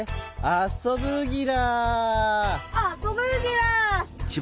あそぶギラ。